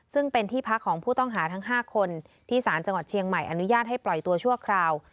ซึ่งเป็นที่พักของผู้ต้องหาทั้ง๕คนที่สารจังหวัดเชียงใหม่อนุญาตให้ปล่อยตัวชั่วคราว